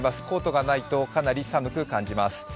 コートがないとかなり寒く感じます。